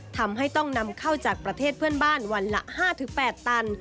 ทำให้ต้องนำเข้าจากประเทศเพื่อนบ้านวันละ๕๘ตัน